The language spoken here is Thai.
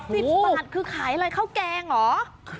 ๑๐บาทคือขายอะไรเข้าแกงหรอ